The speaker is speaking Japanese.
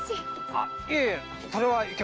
あっいえいえそれはいけません。